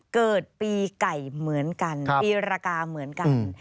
เกิดปีไก่เหมือนกันปีรกาเหมือนกัน